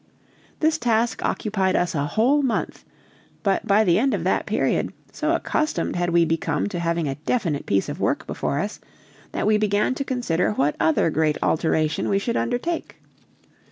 This task occupied us a whole month, and by the end of that period, so accustomed had we become to having a definite piece of work before us that we began to consider what other great alteration we should undertake.